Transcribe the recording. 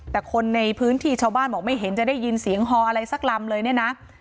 แต่คนในพื้นที่ชาวบ้านบอกไม่เห็นจะได้ยินเสียงฮออะไรสักลำเลยเนี่ยนะ